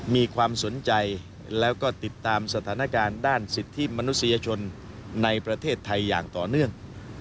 มีความสนใจแล้วก็ติดตามสถานการณ์ด้านสิทธิมนุษยชนในประเทศไทยอย่างต่อเนื่อง